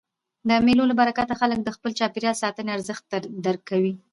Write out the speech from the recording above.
د مېلو له برکته خلک د خپل چاپېریال د ساتني ارزښت درکوي.